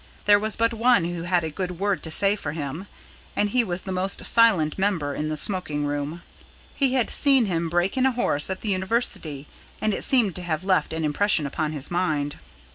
There was but one who had a good word to say for him, and he was the most silent member in the smoking room. He had seen him break in a horse at the University, and it seemed to have left an impression upon his mind.